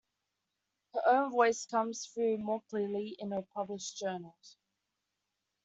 Her own voice comes through more clearly in her published journals.